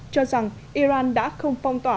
cho rằng iran đã không phong tỏa